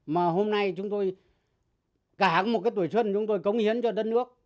mà hôm nay chúng tôi cả một cái tuổi xuân chúng tôi cống hiến cho đất nước